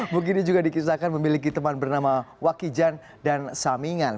mugini juga dikisahkan memiliki teman bernama wakijan dan samingan